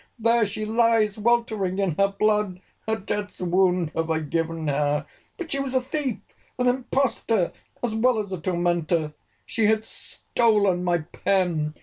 There she lies weltering in her blood! her death's wound have I given her!—But she was a thief, an impostor, as well as a tormentor. She had stolen my pen.